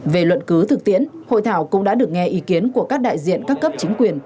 về luận cứ thực tiễn hội thảo cũng đã được nghe ý kiến của các đại diện các cấp chính quyền